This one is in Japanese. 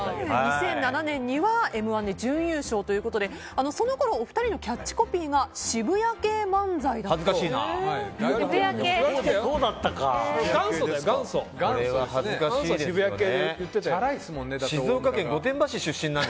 ２００７年には「Ｍ‐１」で準優勝ということでそのころ、お二人のキャッチコピーが渋谷系漫才師恥ずかしいな。